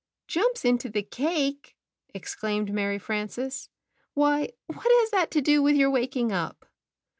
''Jumps into the cake!" exclaimed Mary Frances. "Why, what has that to do with your waking up?"